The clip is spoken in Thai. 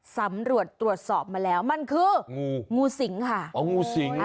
สำรวจตรวจสอบมาแล้วมันคืองูงูสิงค่ะ